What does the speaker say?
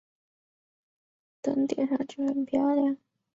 但是点灯上去很漂亮